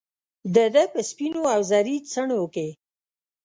دده په سپینواوزري څڼوکې